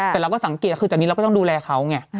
แต่เราก็สังเกตคือจากนี้เราก็ต้องดูแลเขาไง